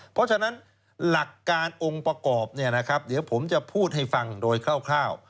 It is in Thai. เพราะฉะนั้นหลักการองค์ประกอบเดี๋ยวผมจะพูดให้ฟังโดยคร่าว